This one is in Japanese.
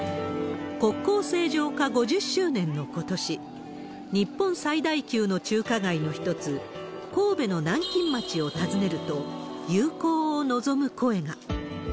国交正常化５０周年のことし、日本最大級の中華街の一つ、神戸の南京町を訪ねると、友好を望む声が。